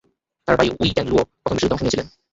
তার ভাই উই ট্যান লুইও প্রথম বিশ্বযুদ্ধে অংশ নিয়েছিলেন।